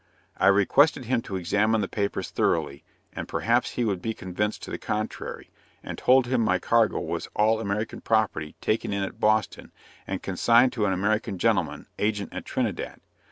I requested him to examine the papers thoroughly, and perhaps he would be convinced to the contrary, and told him my cargo was all American property taken in at Boston, and consigned to an American gentleman, agent at Trinidad.